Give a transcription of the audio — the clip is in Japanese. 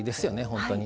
本当に。